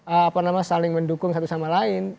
apa nama saling mendukung satu sama lain